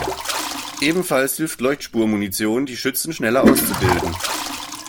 Ebenfalls hilft Leuchtspurmunition, die Schützen schneller auszubilden.